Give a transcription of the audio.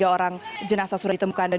dua puluh tiga orang jenasa sudah ditemukan